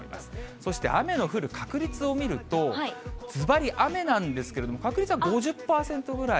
そして雨の降る確率を見ると、ずばり雨なんですけれども、確率は５０％ぐらい。